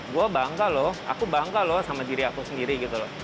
gue bangga loh aku bangga loh sama diri aku sendiri gitu loh